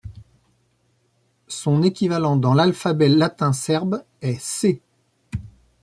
Son équivalent dans l’alphabet latin serbe est Ć.